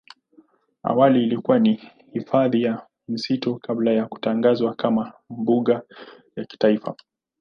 Awali ilikuwa ni hifadhi ya misitu kabla ya kutangazwa kama mbuga ya kitaifa.